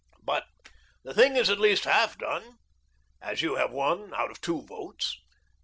But the thing is at least half done, as you have one out of two votes.